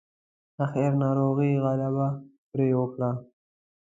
اخير ناروغۍ غلبه پرې وکړه.